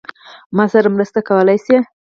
ما سره مرسته کولای شې؟